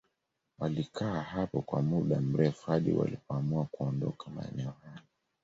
Walikaa hapo kwa muda mrefu hadi walipoamua kuondoka maeneo hayo